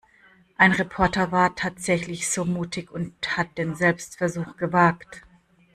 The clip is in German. Ein Reporter war tatsächlich so mutig und hat den Selbstversuch gewagt.